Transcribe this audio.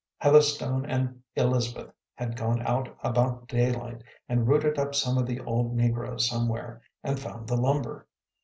Heatherstone and Elizabeth had gone out about daylight and rooted up some of the old negroes somewhere, and found the lumber.